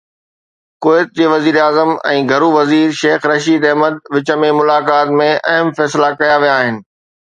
ڪويت جي وزيراعظم ۽ گهرو وزير شيخ رشيد احمد وچ ۾ ملاقات ۾ اهم فيصلا ڪيا ويا آهن